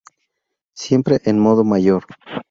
Siempre en modo mayor.